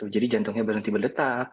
jadi jantungnya berhenti berdetak